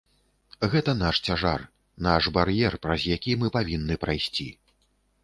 Гэта наш цяжар, наш бар'ер, праз які мы павінны прайсці.